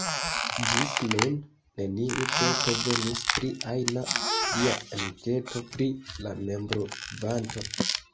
Ĝis nun, neniu peto venis pri ajna plia enketo pri la membrokvanto.